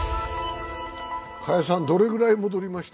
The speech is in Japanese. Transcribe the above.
加谷さん、どのくらい戻りました？